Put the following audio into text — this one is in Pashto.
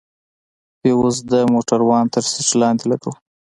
فيوز د موټروان تر سيټ لاندې لگوو.